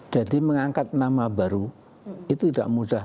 jadi mengangkat nama baru itu tidak mudah